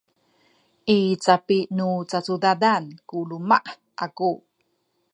i capi nu cacudadan ku luma’ aku